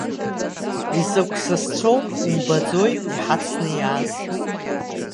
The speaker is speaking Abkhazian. Изакә сасцәоу умбаӡои иҳацны иааз!